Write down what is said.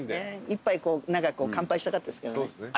一杯こう乾杯したかったですけどね。